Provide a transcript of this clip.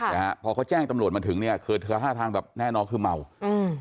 นะฮะพอเขาแจ้งตำรวจมาถึงเนี้ยคือเธอท่าทางแบบแน่นอนคือเมาอืม